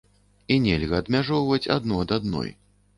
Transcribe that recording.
І нельга адмяжоўваць адну ад адной.